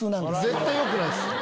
絶対よくないです。